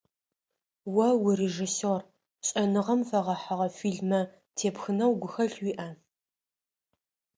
О урежиссер, шӏэныгъэм фэгъэхьыгъэ фильмэ тепхынэу гухэлъ уиӏа?